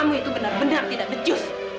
kamu itu benar benar tidak bejus